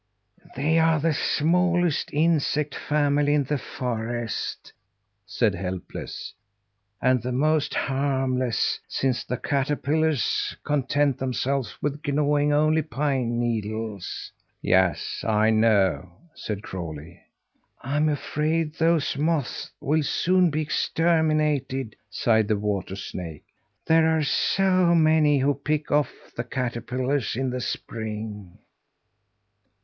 "They are the smallest insect family in the forest," said Helpless, "and the most harmless, since the caterpillars content themselves with gnawing only pine needles." "Yes, I know," said Crawlie. "I'm afraid those moths will soon be exterminated," sighed the water snake. "There are so many who pick off the caterpillars in the spring."